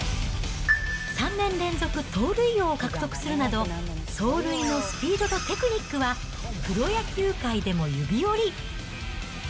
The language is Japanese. ３年連続盗塁王を獲得するなど、走塁のスピードとテクニックはプロ野球界でも指折り。